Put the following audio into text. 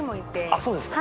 あっそうですか。